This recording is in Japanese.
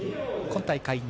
今大会